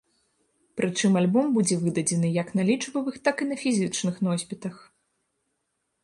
Прычым альбом будзе выдадзены як на лічбавых, так і на фізічных носьбітах.